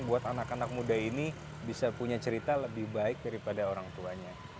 buat anak anak muda ini bisa punya cerita lebih baik daripada orang tuanya